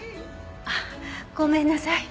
あっごめんなさい。